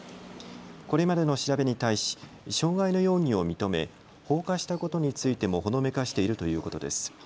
これまでの調べに対し傷害の容疑を認め放火したことについてもほのめかしているということです。